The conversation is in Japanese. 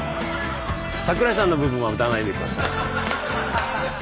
桜井さんの部分は歌わないでください。